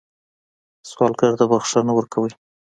سوالګر ته بښنه ورکوئ